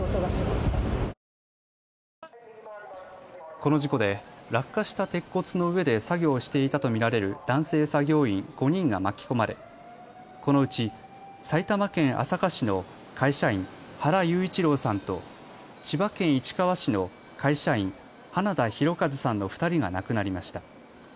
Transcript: この事故で落下した鉄骨の上で作業をしていたと見られる男性作業員５人が巻き込まれこのうち埼玉県朝霞市の会社員、原裕一郎さんと千葉県市川市の会社員、花田大和さんの２人が亡くなりました。